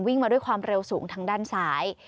มาด้วยความเร็วสูงทางด้านซ้าย